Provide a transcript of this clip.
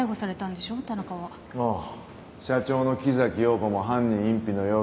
社長の木崎陽子も犯人隠避の容疑で逮捕。